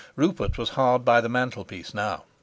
Rupert was hard by the mantelpiece now.